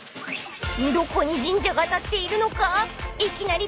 ［どこに神社が立っているのか］